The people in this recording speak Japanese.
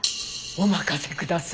お任せください。